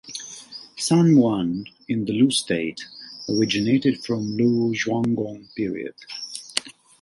San Huan in the Lu State originated from Lu Zhuanggong Period.